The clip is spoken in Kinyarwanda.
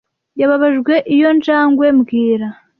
Yababaje iyo njangwe mbwira